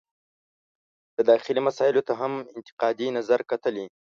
د داخلي مسایلو ته هم انتقادي نظر کتلي.